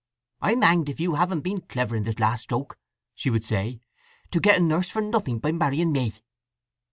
"I'm hanged if you haven't been clever in this last stroke!" she would say, "to get a nurse for nothing by marrying me!"